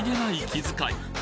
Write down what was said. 気遣い